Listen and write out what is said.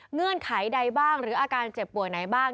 เงื่อนไขใดบ้างหรืออาการเจ็บป่วยไหนบ้าง